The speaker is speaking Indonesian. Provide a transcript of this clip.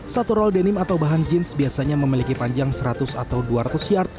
satu roll denim atau bahan jeans biasanya memiliki panjang seratus atau dua ratus yard